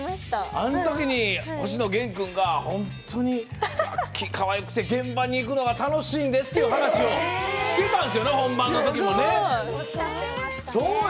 あのときに、星野源君が本当にガッキーかわいくて現場に行くのが楽しいんですって話をしてたんですよね、本番のときもね。